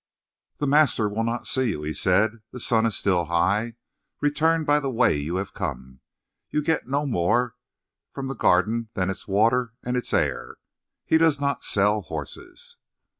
"The master will not see you," he said. "The sun is still high. Return by the way you have come; you get no more from the Garden than its water and its air. He does not sell horses."